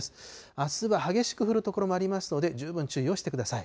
あすは激しく降る所もありますので、十分注意をしてください。